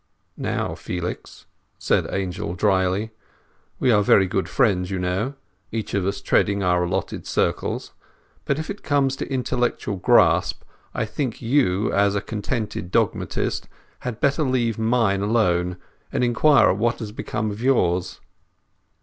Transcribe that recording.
"Now, Felix," said Angel drily, "we are very good friends, you know; each of us treading our allotted circles; but if it comes to intellectual grasp, I think you, as a contented dogmatist, had better leave mine alone, and inquire what has become of yours."